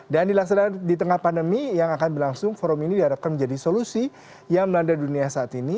dan dilaksanakan di tengah pandemi yang akan berlangsung forum ini diharapkan menjadi solusi yang melanda dunia saat ini